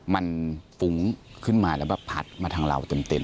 มันฟุ้งขึ้นมาแล้วแบบผัดมาทางเราเต็ม